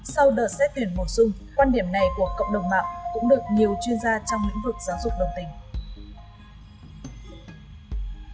sau đợt xét tuyển bổ sung quan điểm này của cộng đồng mạng cũng được nhiều chuyên gia trong lĩnh vực giáo dục đồng tình